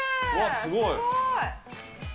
すごーい！